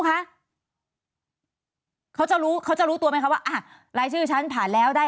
คะเขาจะรู้เขาจะรู้ตัวไหมคะว่าอ่ะรายชื่อฉันผ่านแล้วได้